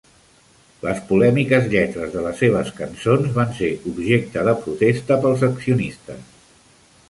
Les polèmiques lletres de les seves cançons van ser objecte de protesta pels accionistes.